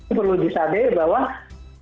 ini perlu disadari bahwa